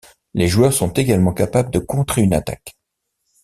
Les joueurs sont également capables de contrer une attaque.